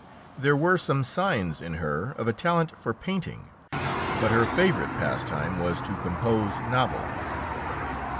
There were some signs in her of a talent for painting, but her favourite pastime was to compose novels.